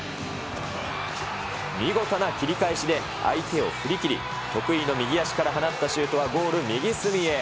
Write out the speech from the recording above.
見事な切り返しで、相手を振り切り、得意の右足から放ったシュートはゴール右隅へ。